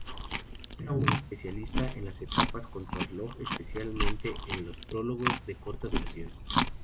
Era un especialista en las etapas contrarreloj, especialmente en los prólogos de corta duración.